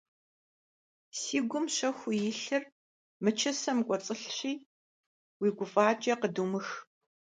Си гум щэхуу илъыр мы чысэм кӀуэцӀылъщи, уи гуфӀакӀэ къыдумых.